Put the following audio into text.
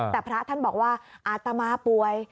แต่พระท่านบอกว่าอาตมาป่วย